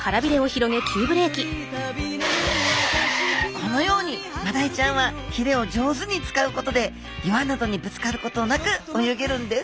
このようにマダイちゃんはひれを上手に使うことで岩などにぶつかることなく泳げるんです